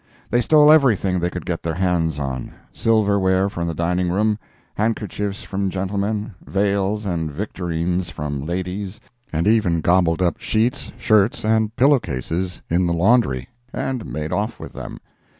They stole everything they could get their hands on—silverware from the dining room, handkerchiefs from gentlemen, veils and victorines from ladies, and even gobbled up sheets, shirts, and pillow cases in the laundry, and made off with them.